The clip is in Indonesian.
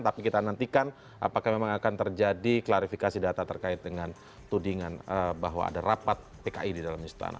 tapi kita nantikan apakah memang akan terjadi klarifikasi data terkait dengan tudingan bahwa ada rapat pki di dalam istana